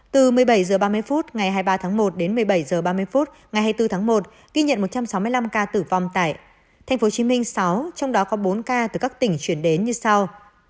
từ một mươi bảy h ba mươi phút ngày hai mươi ba tháng một đến một mươi bảy h ba mươi phút ngày hai mươi bốn tháng một ghi nhận một trăm sáu mươi năm ca tử vong tại tp hcm sáu trong đó có bốn ca từ các tỉnh chuyển đến như sau